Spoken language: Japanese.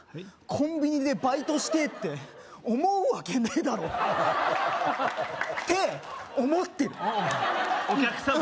コンビニでバイトしてえって思うわけねえだろって思ってるお客様が？